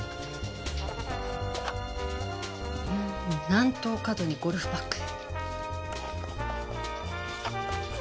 南東角にゴルフバッグ。